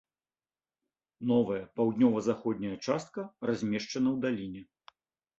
Новая, паўднёва-заходняя частка размешчана ў даліне.